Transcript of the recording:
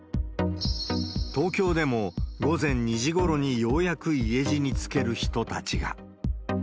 東京でも、午前２時ごろにようやく家路に就ける人たちが。